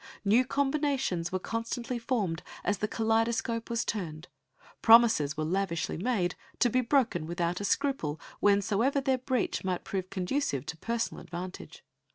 New combinations were constantly formed as the kaleidoscope was turned; promises were lavishly made, to be broken without a scruple whensoever their breach might prove conducive to personal advantage.